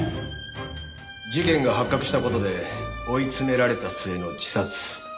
事件が発覚した事で追い詰められた末の自殺。